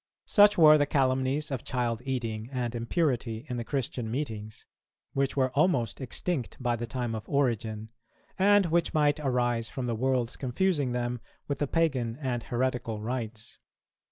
Such were the calumnies of child eating and impurity in the Christian meetings, which were almost extinct by the time of Origen, and which might arise from the world's confusing them with the pagan and heretical rites.